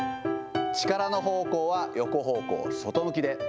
力の方向は横方向外向きで。